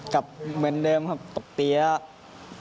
กลับเบื้นเดิมตกตีแล้ว